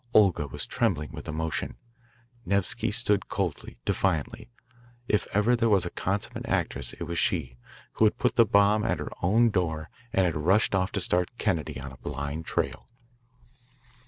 Olga was trembling with emotion. Nevsky stood coldly, defiantly. If ever there was a consummate actress it was she, who had put the bomb at her own door and had rushed off to start Kennedy on a blind trail.